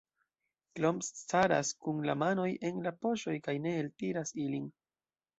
Klomp staras kun la manoj en la poŝoj kaj ne eltiras ilin.